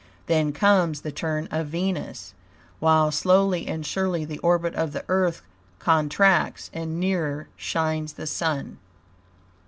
Then comes the turn of Venus, while slowly and surely the orbit of the Earth contracts, and nearer shines the Sun.